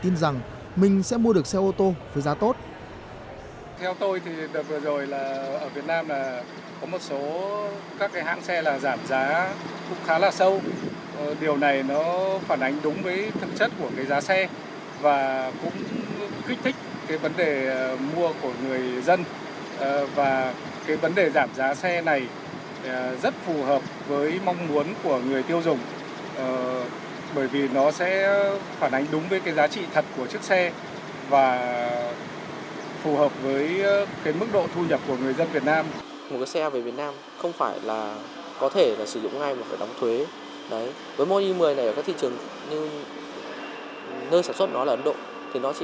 người tiêu dùng có cơ sở để tin rằng mình sẽ mua được xe ô tô với giá tốt